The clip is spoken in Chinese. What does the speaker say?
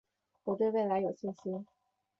我对未来有信心